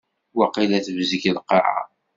Waqila tebzeg lqaɛa.